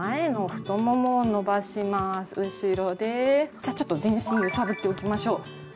じゃあちょっと全身揺さぶっておきましょう。